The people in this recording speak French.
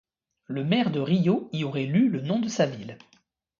Le maire de Rio y aurait lu le nom de sa ville.